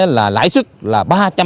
lãi sức là ba trăm sáu mươi